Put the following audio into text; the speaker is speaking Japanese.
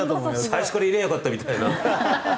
「最初からいればよかった」みたいな。